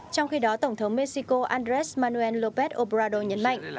trong khi đó tổng thống mexico andres manuel lópez obrador nhấn mạnh